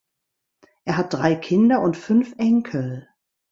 Er hat drei Kinder und fünf Enkel.